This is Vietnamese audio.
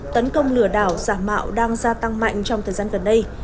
tấn công lừa đảo giả mạo đang gia tăng mạnh trong thời gian gần đây